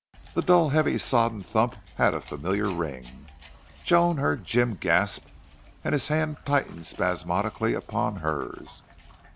The dull, heavy, sodden thump had a familiar ring. Joan heard Jim gasp and his hand tightened spasmodically upon hers.